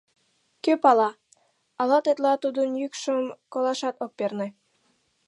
Кӧ пала, ала тетла тудын йӱкшым колашат ок перне!